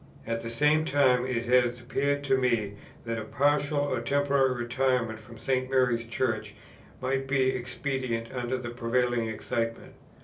At the same time it has appeared to me that a partial or temporary retirement from St. Mary's Church might be expedient under the prevailing excitement.